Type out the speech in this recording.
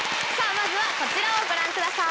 こちらをご覧ください。